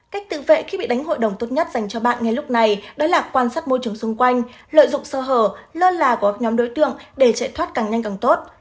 cách tự vệ khi bị đánh hội đồng tốt nhất dành cho bạn ngay lúc này đó là quan sát môi trường xung quanh lợi dụng sơ hở lơ là của nhóm đối tượng để chạy thoát càng nhanh càng tốt